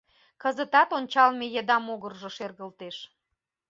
Кызытат ончалме еда могыржо шергылтеш.